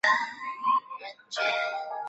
陈嗣庆是李朝晚期陈氏领袖陈李的次子。